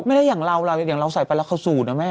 ไม่ได้อย่างเราอย่างเราใส่ปราคสูตรนะแม่